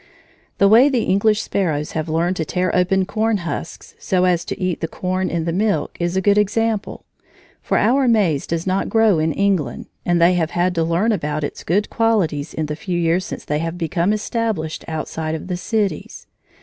The way the English sparrows have learned to tear open corn husks so as to eat the corn in the milk is a good example, for our maize does not grow in England, and they have had to learn about its good qualities in the few years since they have become established outside of the cities.